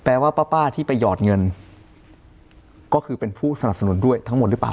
ว่าป้าที่ไปหยอดเงินก็คือเป็นผู้สนับสนุนด้วยทั้งหมดหรือเปล่า